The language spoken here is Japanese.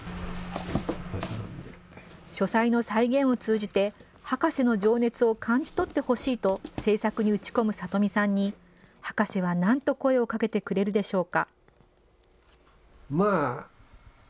書斎の再現を通じて、博士の情熱を感じ取ってほしいと、制作に打ち込む里見さんに、博士はなんと声をかけてくれるでしょうか。